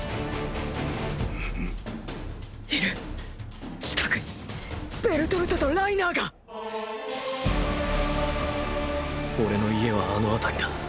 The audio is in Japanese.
⁉いる近くにベルトルトとライナーがオレの家はあの辺りだ。